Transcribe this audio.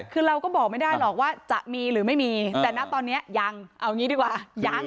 คือเราก็บอกไม่ได้หรอกว่าจะมีหรือไม่มีแต่นะตอนนี้ยังเอางี้ดีกว่ายัง